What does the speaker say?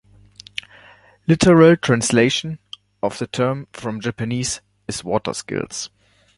Literal translation of the term from Japanese is "water skills".